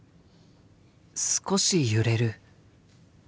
少し揺れる。